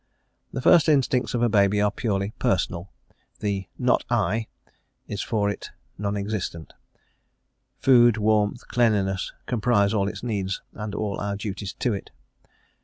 The first instincts of a baby are purely personal: the "not I" is for it nonexistent: food, warmth, cleanliness, comprise all its needs and all our duties to it.